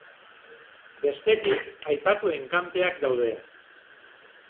Bestetik, aipatu enkanteak daude.